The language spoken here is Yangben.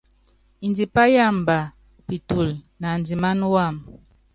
Ndipá yámba pitulu naandimána wam.